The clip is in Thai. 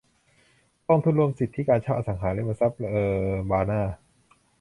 กองทุนรวมสิทธิการเช่าอสังหาริมทรัพย์เออร์บานา